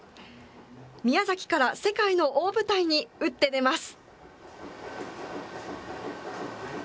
宮崎から世界の大舞台に打って出ます。